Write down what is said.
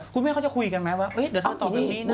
คุณแม่เขาจะคุยกันไหมว่าเดี๋ยวทำต่อไปนี้นะ